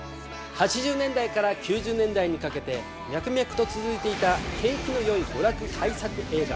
８０年代から９０年代にかけて脈々と続いていた景気のよい娯楽大作映画。